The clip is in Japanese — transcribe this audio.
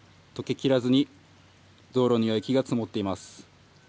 きらずに道路には雪が積もっています。